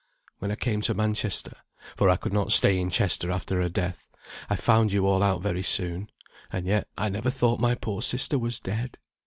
"When I came to Manchester (for I could not stay in Chester after her death), I found you all out very soon. And yet I never thought my poor sister was dead.